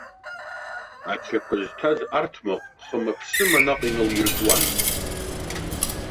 Ачақәа зҭаз арҭмаҟ хыма-ԥсыма наҟ иналиркуан.